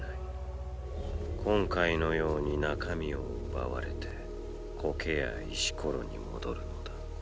今回のように中身を奪われてコケや石コロに戻るのだ。